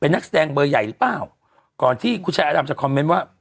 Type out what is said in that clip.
นักแสดงเบอร์ใหญ่หรือเปล่าก่อนที่คุณชายอาดำจะคอมเมนต์ว่า